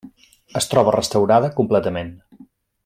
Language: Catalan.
Es troba restaurada completament.